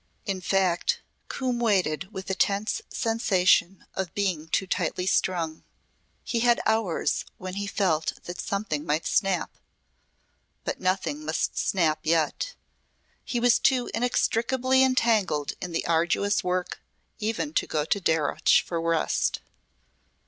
In fact Coombe waited with a tense sensation of being too tightly strung. He had hours when he felt that something might snap. But nothing must snap yet. He was too inextricably entangled in the arduous work even to go to Darreuch for rest.